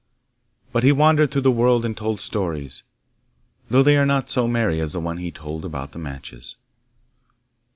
But he wandered through the world and told stories; though they are not so merry as the one he told about the matches.